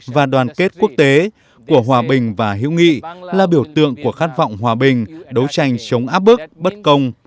và đoàn kết quốc tế của hòa bình và hữu nghị là biểu tượng của khát vọng hòa bình đấu tranh chống áp bức bất công